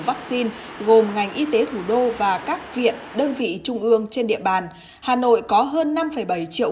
vaccine gồm ngành y tế thủ đô và các viện đơn vị trung ương trên địa bàn hà nội có hơn năm bảy triệu